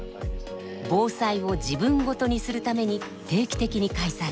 防災を自分事にするために定期的に開催。